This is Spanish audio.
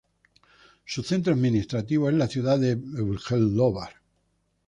Su centro administrativo es la ciudad de Bjelovar.